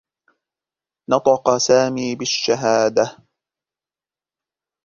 نطق سامي بالشّهادة.